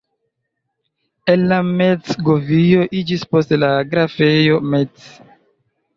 El la Metz-govio iĝis poste la grafejo Metz.